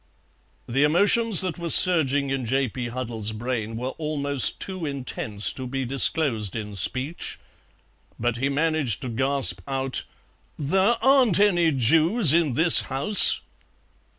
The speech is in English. The emotions that were surging in J. P. Huddle's brain were almost too intense to be disclosed in speech, but he managed to gasp out: "There aren't any Jews in this house."